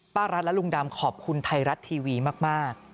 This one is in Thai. รัฐและลุงดำขอบคุณไทยรัฐทีวีมาก